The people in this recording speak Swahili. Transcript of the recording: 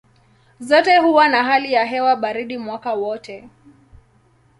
Zote huwa na hali ya hewa baridi mwaka wote.